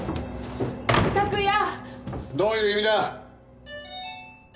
どういう意味だ？